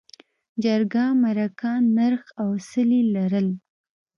جرګه، مرکه، نرخ او څلي لرل.